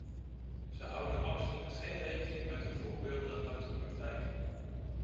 Ze houden absoluut geen rekening met de voorbeelden uit de praktijk.